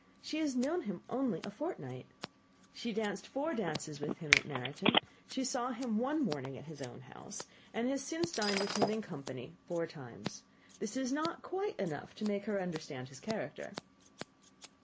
She has known him only a fortnight. She danced four dances with him at Meryton; she saw him one morning at his own house, and has since dined in company with him four times. This is not quite enough to make her understand his character."